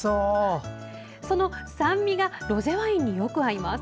その酸味がロゼワインによく合います。